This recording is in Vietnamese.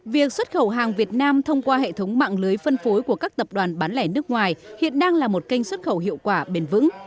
việc xuất khẩu hàng việt nam thông qua hệ thống mạng lưới phân phối của các tập đoàn bán lẻ nước ngoài hiện đang là một kênh xuất khẩu hiệu quả bền vững